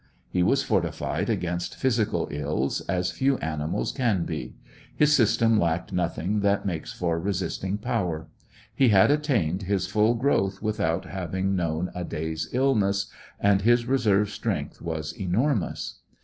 He was fortified against physical ills as few animals can be; his system lacked nothing that makes for resisting power; he had attained his full growth without having known a day's illness, and his reserve strength was enormous.